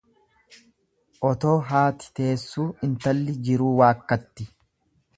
Otoo haati teessuu intalli jiruu waakkatti.